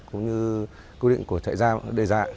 cũng như quy định của trại giam đề dạng